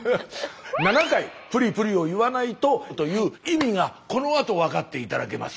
７回プリプリを言わないとという意味がこのあと分かって頂けます。